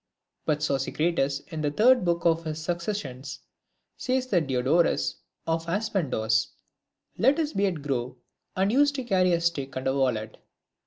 But Sosicrates, in the third book of his Succes sions, says that Diodorus, of Aspendos, let his beard grow, and used to carry a stick and a wallet.